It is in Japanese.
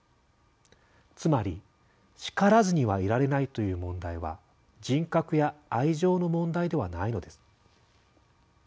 つまり「叱らずにはいられない」という問題は人格や愛情の問題ではないのです。